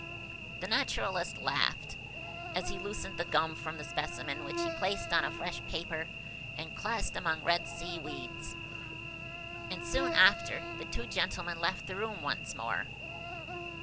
The Naturalist laughed as he loosened the gum from the specimen, which he placed on a fresh paper, and classed among Red Seaweeds. And soon after, the two gentlemen left the room once more.